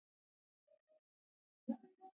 دځنګل حاصلات د افغان ځوانانو لپاره دلچسپي لري.